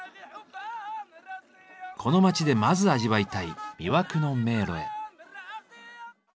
この町でまず味わいたい「魅惑の迷路」へ。